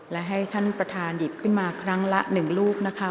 และให้ท่านประธานหยิบขึ้นมาครั้งละ๑ลูกนะคะ